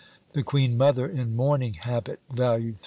The Queen mother in mourning habit, valued £3.